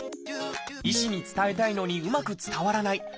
医師に伝えたいのにうまく伝わらない。